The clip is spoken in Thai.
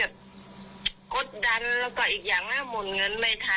แล้วก็เดี๋ยววันหน้าน้องเขามีเขาคงจะคิดว่านะให้โอกาสนะ